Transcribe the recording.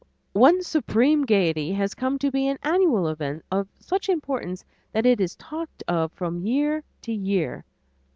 One supreme gayety has come to be an annual event of such importance that it is talked of from year to year.